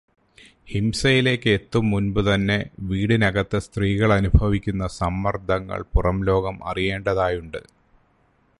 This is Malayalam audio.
ഹിംസയിലേക്ക് എത്തും മുൻപുതന്നെ വീടിനകത്ത് സ്ത്രീകൾ അനുഭവിക്കുന്ന സമ്മർദങ്ങൾ പുറം ലോകം അറിയേണ്ടതായുണ്ട്.